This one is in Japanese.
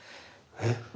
えっ？